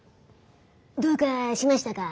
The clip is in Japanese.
「どうかしましたか？」